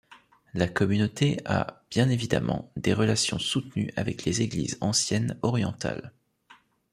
La communauté a, bien évidemment, des relations soutenues avec les églises anciennes orientales.